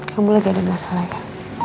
kamu lagi ada masalah ya